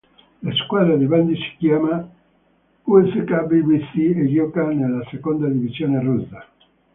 La squadra di bandy si chiama ЦСК ВВС e gioca nella seconda divisione russa.